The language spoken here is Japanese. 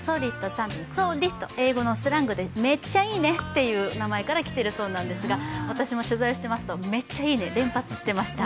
さん、英語のスラングでめっちゃいいね！という名前から来てるんですが私も取材していますとめっちゃいいねを連発してました。